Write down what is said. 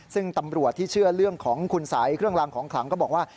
ซึ่งตำรวจที่เชื่อเรื่องของคุณสัยเครื่องรางของขลังก็บอกว่า